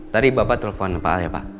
tadi bapak telepon pak al ya pak